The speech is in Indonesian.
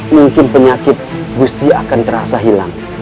mungkin penyakit gusti akan terasa hilang